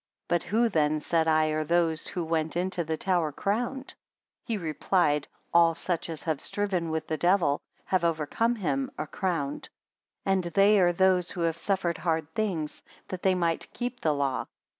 28 But who then, said I, are those, who went into the tower crowned? He replied, all such as having striven with the devil, have overcome him, are crowned: and they are those, who have suffered hard things, that they might keep the law.